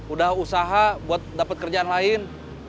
udah usaha buat dapat kerjaan lain